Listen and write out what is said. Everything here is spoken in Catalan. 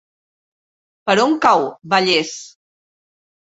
Per on cau Vallés?